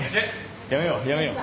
やめようやめよう。